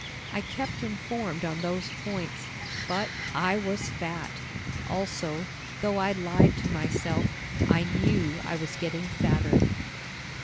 I kept informed on those points but I was fat! Also, though I lied to myself, I knew I was getting fatter.